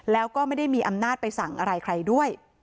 แล้วก็ไม่ได้มีอำนาจไปสั่งอะไรใครด้วย